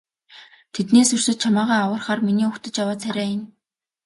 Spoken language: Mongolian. Тэднээс өрсөж чамайгаа аврахаар миний угтаж яваа царай энэ.